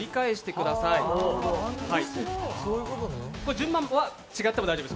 順番は違っても大丈夫です。